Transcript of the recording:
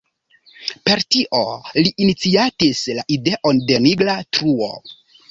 Per tio li iniciatis la ideon de nigra truo.